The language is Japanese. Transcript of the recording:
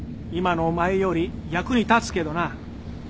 今のお前より役に立つけどな。